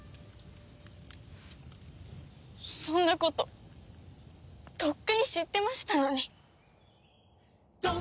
そんなこととっくに知ってましたのに。